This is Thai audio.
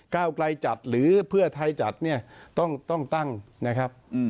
ก้าวไกลจัดหรือเพื่อไทยจัดเนี่ยต้องตั้งนะครับ